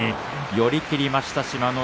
寄り切りました志摩ノ